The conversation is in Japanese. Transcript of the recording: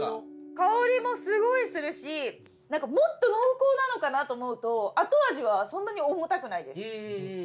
香りもすごいするしもっと濃厚なのかなと思うと後味はそんなに重たくないです。